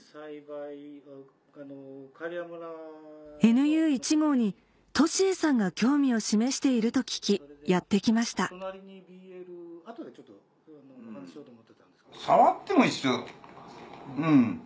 ＮＵ１号に利栄さんが興味を示していると聞きやって来ました触っても一緒うん。